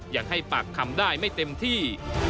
ยังให้ปากคำได้ไม่เต็มที่